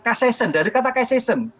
kasasi dari kata kasasi